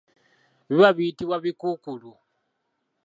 Biba biyitibwa bikuukuulu.